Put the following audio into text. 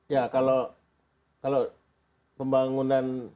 ya kalau pembangunan